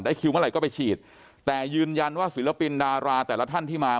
คิวเมื่อไหร่ก็ไปฉีดแต่ยืนยันว่าศิลปินดาราแต่ละท่านที่มา